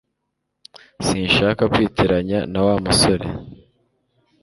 Sinshaka kwitiranya na Wa musore